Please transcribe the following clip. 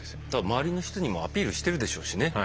周りの人にもアピールしてるでしょうしね。